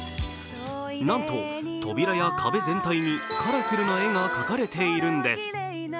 なんと扉や壁全体にカラフルな絵が描かれているんです。